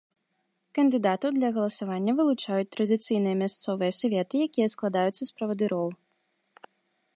Кандыдатаў для галасавання вылучаюць традыцыйныя мясцовыя саветы, якія складаюцца з правадыроў.